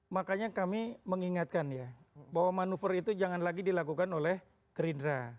makanya kami mengingatkan ya bahwa manuver itu jangan lagi dilakukan oleh gerindra